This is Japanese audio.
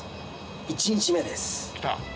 １日目です。